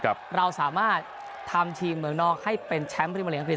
ครับเราสามารถทำทีมเมืองนอกให้เป็นแชมป์ริมะเหลืองคลิด